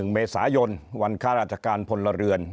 ๑เมษายนวันข้าราชการพลเรือน